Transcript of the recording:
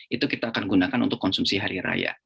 itu kita akan gunakan untuk konsumsi hari raya